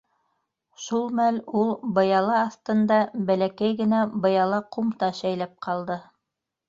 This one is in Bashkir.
Шул мәл ул быяла аҫтында бәләкәй генә быяла ҡумта шәйләп ҡалды.